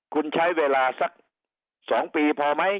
คุณใช้เวลาสัก๒ปีพอไหม